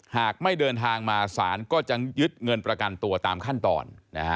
หากไม่เดินทางมาศาลก็จะยึดเงินประกันตัวตามขั้นตอน